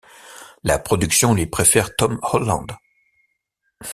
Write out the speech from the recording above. La production lui préfère Tom Holland.